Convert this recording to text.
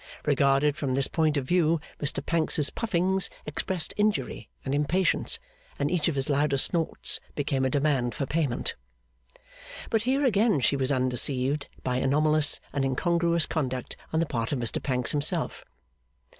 Regarded from this point of view Mr Pancks's puffings expressed injury and impatience, and each of his louder snorts became a demand for payment. But here again she was undeceived by anomalous and incongruous conduct on the part of Mr Pancks himself.